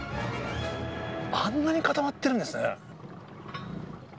あんなに固まってるんですね。